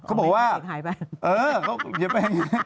เออเลือกไปแบบนี้